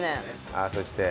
ああそして。